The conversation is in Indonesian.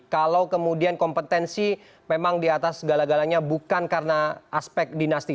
kalau kemudian kompetensi memang di atas segala galanya bukan karena aspek dinasti